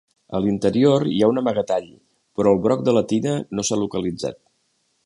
A l'interior hi ha un amagatall, però el broc de la tina no s'ha localitzat.